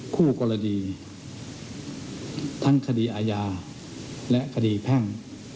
คู่กรณีทั้งคดีอาญาและคดีแพ่ง